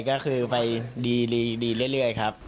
ก็คือไปดีเรื่อยครับ